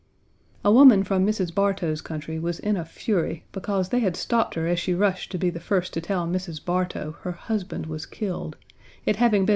A woman from Mrs. Bartow's country was in a fury because they had stopped her as she rushed to be the first to tell Mrs. Bartow her husband was killed, it having been 1.